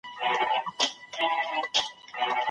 اختلاف مدیریت ته اړتیا لري.